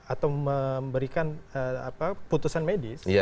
atau memberikan putusan medis